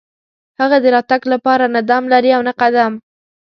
هغه د راتګ لپاره نه دم لري او نه قدم.